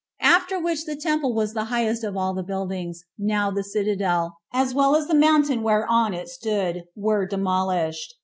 After which the temple was the highest of all the buildings, now the citadel, as well as the mountain whereon it stood, were demolished.